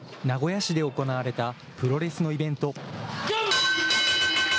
名古屋市で行われたプロレスのイベント。